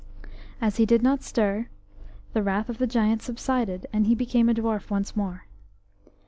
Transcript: As he did not stir, the wrath of the giant subsided, and he became a dwarf once more.